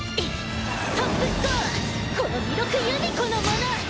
トップスコアはこの弥勒夕海子のもの！